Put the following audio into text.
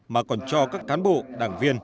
mà còn cho các cán bộ đảng viên